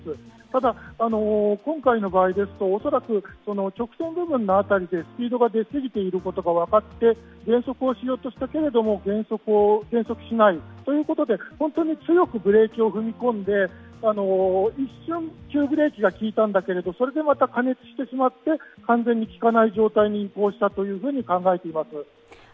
ただ、今回の場合ですと恐らく直線部分の辺りでスピードが出過ぎていることが分かって減速をしようとしたけれども減速しないということで本当に強くブレーキを踏み込んで一瞬急ブレーキが利いたんだけどそれでまた過熱してしまって完全に利かない状態に移行したと思われます。